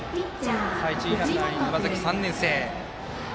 一塁ランナー、沼崎、３年生。